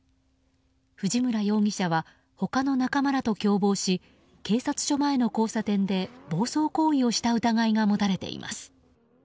藤村容疑者は他の仲間らと共謀し警察署前の交差点で暴走行為をした疑いが持たれています。